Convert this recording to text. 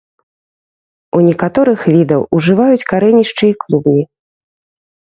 У некаторых відаў ужываюць карэнішчы і клубні.